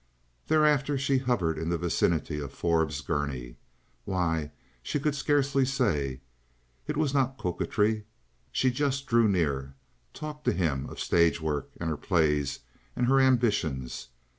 Thereafter she hovered in the vicinity of Forbes Gurney. Why, she could scarcely say. It was not coquetry. She just drew near, talked to him of stage work and her plays and her ambitions.